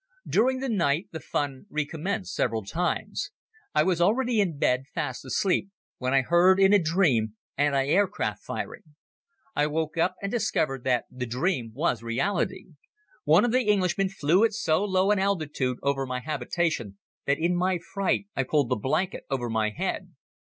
During the night the fun recommenced several times. I was already in bed, fast asleep, when I heard in a dream anti aircraft firing. I woke up and discovered that the dream was reality. One of the Englishmen flew at so low an altitude over my habitation that in my fright I pulled the blanket over my head.